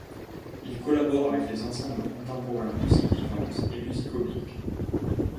Il collabore avec les ensembles contemporains Musique Vivante et Musique Oblique.